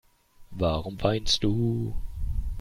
Warum weinst du?